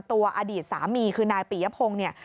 อดีตสามีคือนายปียพงศ์เนี่ย